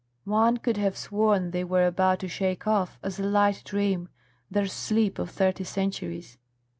One could have sworn they were about to shake off, as a light dream, their sleep of thirty centuries.